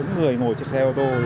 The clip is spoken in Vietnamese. người ngồi trên xe ô tô